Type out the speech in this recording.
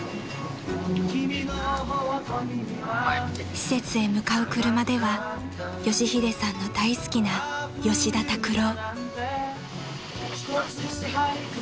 ［施設へ向かう車では佳秀さんの大好きな吉田拓郎］